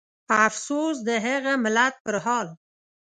افسوس د هغه ملت پرحال